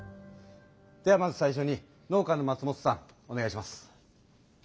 ではまず最初に農家の松本さんお願いします。